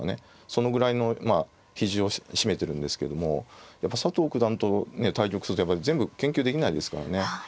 そのぐらいのまあ比重を占めてるんですけどもやっぱり佐藤九段と対局すると全部研究できないですからね。